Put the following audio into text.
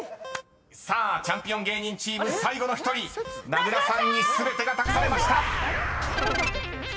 ［さあチャンピオン芸人チーム最後の１人名倉さんに全てが託されました］